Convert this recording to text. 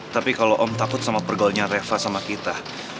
tapi kalau om takut sama pergolnya reva sama kita